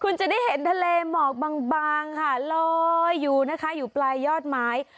คุณจะได้เห็นทะเลหมอกบางค่ะลอยอยู่นะคะอยู่ปลายยอดไม้